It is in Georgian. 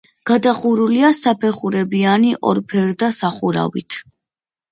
გადახურულია საფეხურებიანი ორფერდა სახურავით.